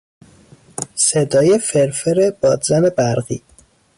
صدای فرفر بادزن برقی